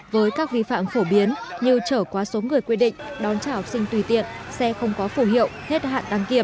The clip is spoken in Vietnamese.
với các vi phạm phổ biến như trở qua số người quy định đón trả học sinh tùy tiện xe không có phủ hiệu hết hạn đăng kiểm